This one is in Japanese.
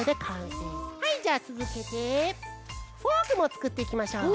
はいじゃあつづけてフォークもつくっていきましょう。